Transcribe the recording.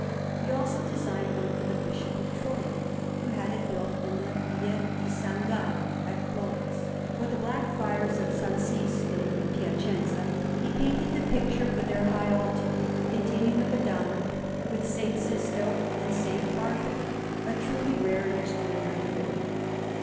He also designed one for the Bishop of Troia, who had it built in the Via di S. Gallo at Florence. For the Black Friars of S. Sisto in Piacenza, he painted the picture for their high altar, containing the Madonna with S. Sisto and S. Barbara, a truly rare and extraordinary work.